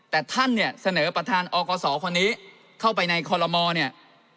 แต่ท่านเนี่ยเสนอประธานอกศคนนี้เข้าไปในคอลโลมอลเนี่ย